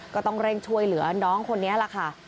ก็ต้องเร่งช่วยเหลือน้องคนนี้แหละค่ะ